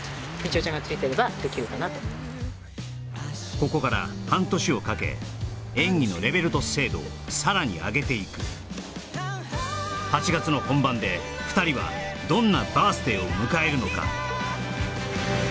ここから半年をかけ演技のレベルと精度をさらに上げていく８月の本番で２人はどんなバース・デイを迎えるのか？